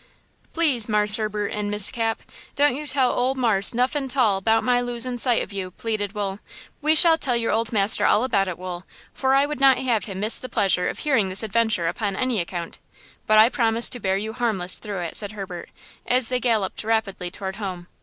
"Please, Marse Herbert and Miss Cap, don't you tell ole marse nuffin 'tall 'bout my loosin' sight of you!" pleaded Wool. "We shall tell your old master all about it, Wool, for I would not have him miss the pleasure of hearing this adventure upon any account; but I promise to bear you harmless through it," said Herbert, as they galloped rapidly toward home.